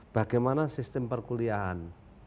bagaimana sistem perkulian